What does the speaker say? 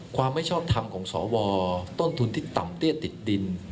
ความไม่ชอบทำของสวต้นทุนที่ต่ำเตี้ยติดดิน